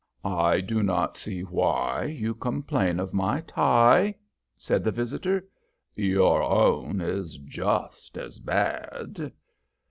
"I do not see why you complain of my tie," said the visitor. "Your own is just as bad."